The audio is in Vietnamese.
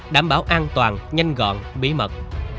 đảm bảo an toàn nhanh gọn bí mật